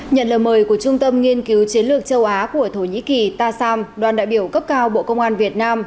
nhận lời mời của trung tâm nghiên cứu chiến lược châu á của thổ nhĩ kỳ tasam đoàn đại biểu cấp cao bộ công an việt nam